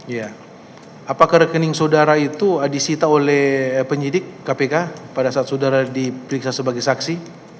ya apakah rekening saudara itu disita oleh penyidik kpk pada saat saudara diperiksa sebagai saksi